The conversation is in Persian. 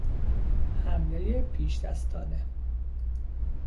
حملهی پیشدستانه